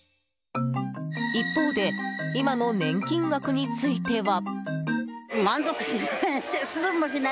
一方で今の年金額については。